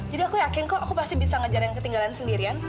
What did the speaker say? jadi aku yakin kok aku pasti bisa ngajarin yang ketinggalan sendirian